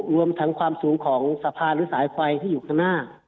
รวมทั้งความสูงของสะพานหรือสายไฟที่อยู่ข้างหน้า